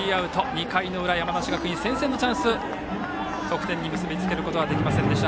２回の裏、山梨学院先制のチャンス得点に結びつけることはできませんでした。